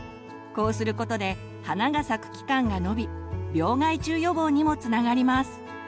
こうすることで花が咲く期間が延び病害虫予防にもつながります。